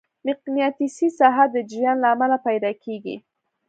مقناطیسي ساحه د جریان له امله پیدا کېږي.